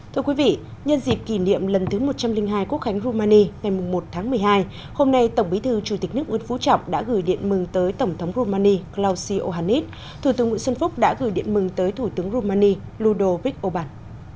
thưa quý vị nhân dịp kỷ niệm lần thứ một trăm linh hai quốc khánh rumani ngày một tháng một mươi hai hôm nay tổng bí thư chủ tịch nước nguyễn phú trọng đã gửi điện mừng tới tổng thống romani klausi ohanis thủ tướng nguyễn xuân phúc đã gửi điện mừng tới thủ tướng romani ludovic oban